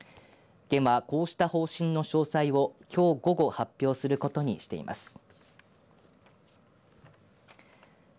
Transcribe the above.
県はこうした方針の詳細をきょう午後発表することにしています。